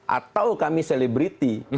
atau kami selebriti